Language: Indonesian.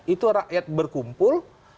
itu rakyat berkumpul